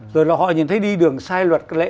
rồi là họ nhìn thấy đi đường sai luật lệ